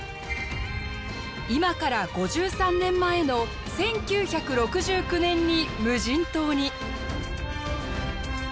今から５３年前の１９６９年に無人島に。